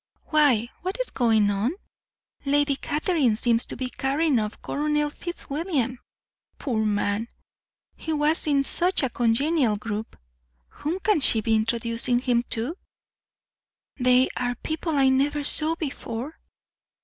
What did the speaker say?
Why, what is going on? Lady Catherine seems to be carrying off Colonel Fitzwilliam; poor man, he was in such a congenial group! Whom can she be introducing him to? They are people I never saw before."